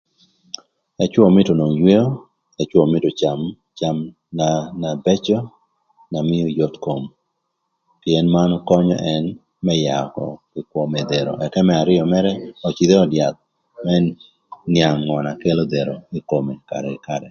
Ëcwö mïtö onwong yweo, ëcwö mïtö öcam cem na bëcö na mïö yot kom, pïën manu könyö ën më yaa ökö më dhero. Ëka më arïö mërë, öcïdh ï öd yath më nïang ngö na kelo dhero ï kome karë kï karë.